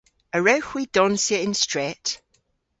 A wrewgh hwi donsya y'n stret?